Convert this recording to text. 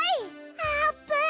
あーぷん！